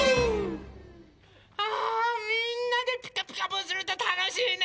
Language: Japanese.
あみんなで「ピカピカブ！」するとたのしいね。